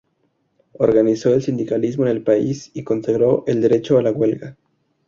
Organizó el sindicalismo en el país y consagró el derecho a la huelga.